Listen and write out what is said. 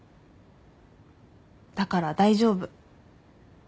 だから大丈夫。